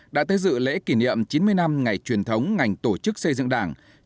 đã tới dự lễ kỷ niệm chín mươi năm ngày truyền thống ngành tổ chức xây dựng đảng